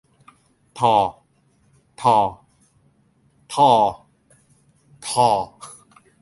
ทอ ฑอ ฒอ ธอ